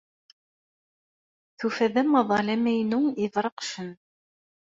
Tufa-d amaḍal amaynu yebbreqcen..